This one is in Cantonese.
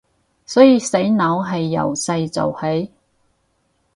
所以洗腦係要由細做起